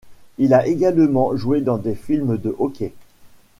Il a également joué dans des films de hockey.